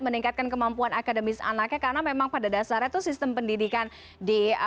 meningkatkan kemampuan akademis anaknya karena memang pada dasarnya itu sistem pendidikan di